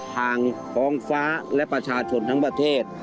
ทางท้องฟ้าและประชาชนทั้งประเทศ